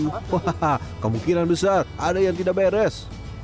hahaha kemungkinan besar ada yang tidak beres